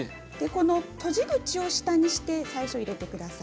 閉じ口を下にして入れてください。